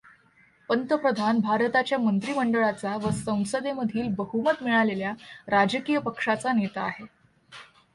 पंतप्रधान भारताच्या मंत्रीमंडळाचा व संसदेमधील बहुमत मिळालेल्या राजकीय पक्षाचा नेता आहे.